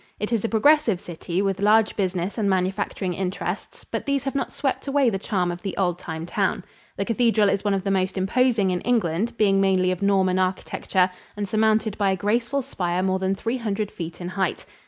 It is a progressive city with large business and manufacturing interests, but these have not swept away the charm of the old time town. The cathedral is one of the most imposing in England, being mainly of Norman architecture and surmounted by a graceful spire more than three hundred feet in height.